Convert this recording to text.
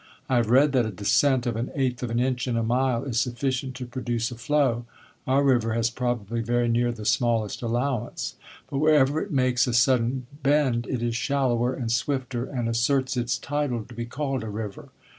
I have read that a descent of an eighth of an inch in a mile is sufficient to produce a flow. Our river has probably very near the smallest allowance. But wherever it makes a sudden bend it is shallower and swifter, and asserts its title to be called a river.